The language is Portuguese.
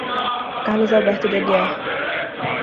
Carlos Alberto de Aguiar